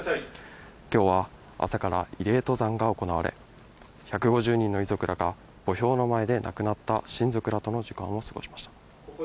きょうは朝から慰霊登山が行われ、１５０人の遺族らが、墓標の前で亡くなった親族らとの時間を過ごしました。